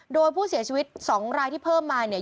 โดยผู้เสียชีวิต๒รายที่เพิ่มมาเนี่ย